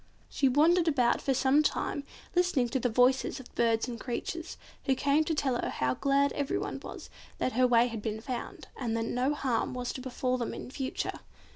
She wandered about for some time listening to the voices of birds and creatures, who came to tell her how glad everyone was that her way had been found, and that no harm was to befall them in future.